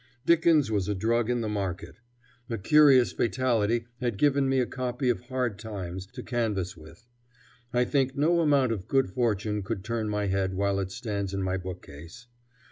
Dickens was a drug in the market. A curious fatality had given me a copy of "Hard Times" to canvass with. I think no amount of good fortune could turn my head while it stands in my bookcase.